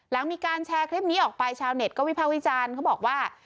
หลังมีการแชร์คลิปนี้ออกไปชาวเน็ตก็วิภาควิจารณ์เขาบอกว่า